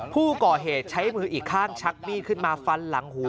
ผู้ก่อเหตุใช้มืออีกข้างชักมีดขึ้นมาฟันหลังหู